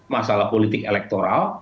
masalah politik elektoral